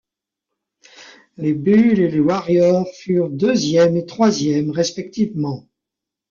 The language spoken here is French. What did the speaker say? Les Bulls et les Warriors furent deuxièmes et troisièmes, respectivement.